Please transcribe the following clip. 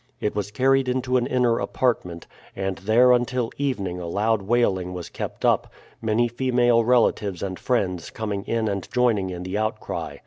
It was carried into an inner apartment, and there until evening a loud wailing was kept up, many female relatives and friends coming in and joining in the outcry.